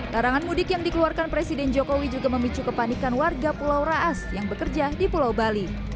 tarangan mudik yang dikeluarkan presiden jokowi juga memicu kepanikan warga pulau raas yang bekerja di pulau bali